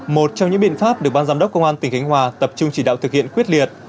một trong những biện pháp được ban giám đốc công an tỉnh khánh hòa tập trung chỉ đạo thực hiện quyết liệt